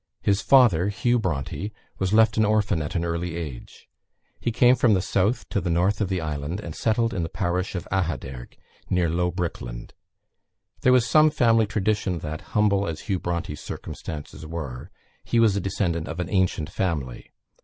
His father Hugh Bronte, was left an orphan at an early age. He came from the south to the north of the island, and settled in the parish of Ahaderg, near Loughbrickland. There was some family tradition that, humble as Hugh Bronte's circumstances were, he was the descendant of an ancient family.